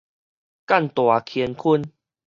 幹大乾坤